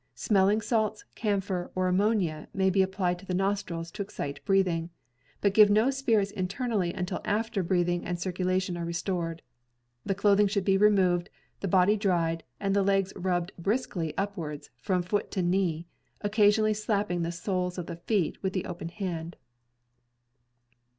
Smelling salts, camphor or ammonia may be applied to the nostrils to excite breathing. But give no spirits internally until after breathing and circulation are restored. The clothing should be removed, the body dried, and the legs rubbed briskly upwards, from foot to knee, occasionally slapping the soles of the feet with the open hand.